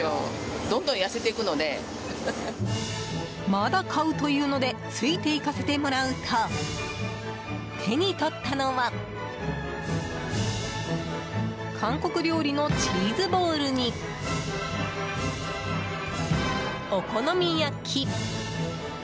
まだ買うというのでついて行かせてもらうと手に取ったのは韓国料理のチーズボールにお好み焼き。